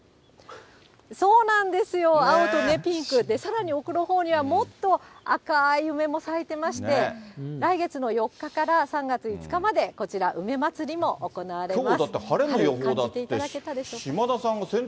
そうなんですよ、青とピンクで、さらに奥のほうには、もっと赤ーい梅も咲いてまして、来月の４日から３月５日まで、きょう、だって晴れの予報だって言って。